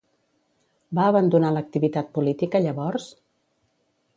Va abandonar l'activitat política llavors?